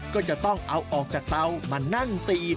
ก็จะต้องเอาออกจากเตามานั่งตีด